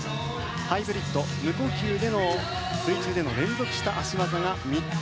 ハイブリッド無呼吸での水中での連続した脚技が３つ。